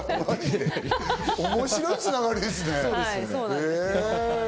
面白いつながりですね。